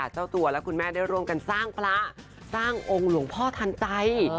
เจ้าตัวและคุณแม่ได้ร่วมกันสร้างพระสร้างองค์หลวงพ่อทันใจ